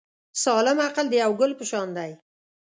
سالم عقل د یو ګل په شان دی.